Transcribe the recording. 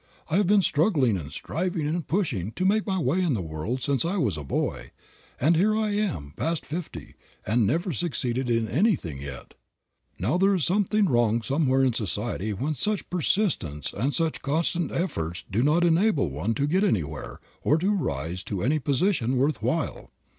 I have been struggling and striving and pushing to make my way in the world since I was a boy, and here I am past fifty and have never succeeded in anything yet. Now there is something wrong somewhere in society when such persistence and such constant efforts do not enable one to get anywhere, or to rise to any position worth while."